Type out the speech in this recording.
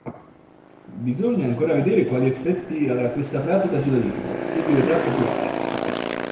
Bisogna ancora vedere quali effetti avrà questa pratica sulla lingua, se diverrà popolare.